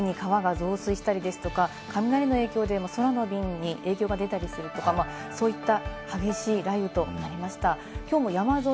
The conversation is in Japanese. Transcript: そうでしたね、一気に川が増水したりですとか、雷の影響で空の便に影響が出たりするとか、そういった激しい雷雨となりました。